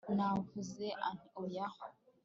navuze nti 'oya